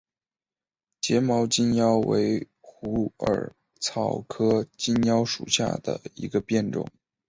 睫毛金腰为虎耳草科金腰属下的一个变种。